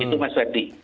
itu mas webri